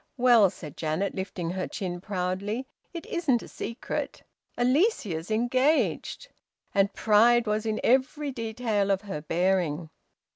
"Well," said Janet, lifting her chin proudly, "it isn't a secret. Alicia's engaged." And pride was in every detail of her bearing.